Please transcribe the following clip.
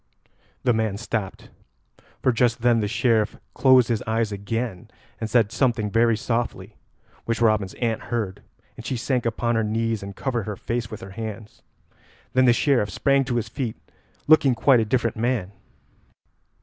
The man stopped, for just then the Sheriff closed his eyes again and said something very softly, which Robin's aunt heard, and she sank upon her knees and covered her face with her hands. Then the Sheriff sprang to his feet, looking quite a different man.